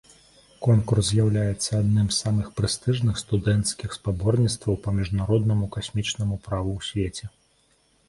Конкурс з'яўляецца адным з самых прэстыжных студэнцкіх спаборніцтваў па міжнароднаму касмічнаму праву ў свеце.